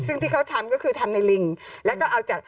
ซึ่งที่เขาทำก็คือทำในลิงแล้วก็เอาจาก